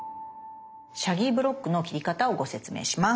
シャギーブロックの切り方をご説明します。